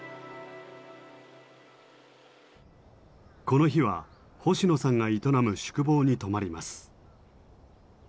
この日は星野さんが営む宿坊に泊まります。